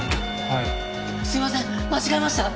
はい？